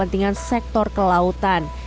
kepentingan sektor kelautan